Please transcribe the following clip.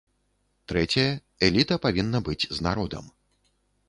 Трэцяе, эліта павінна быць з народам.